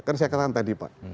kan saya katakan tadi pak